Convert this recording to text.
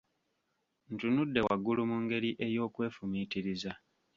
Ntunudde waggulu mu ngeri ey’okwefumiitiriza.